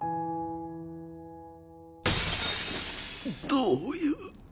どういう。